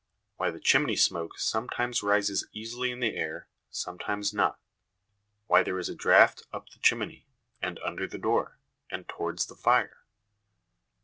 Why the chimney smoke sometimes rises easily in the air, sometimes not. Why there is a draught up the chimney, and under the door, and towards the fire.